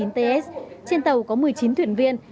trên tàu có một mươi chín thuyền viên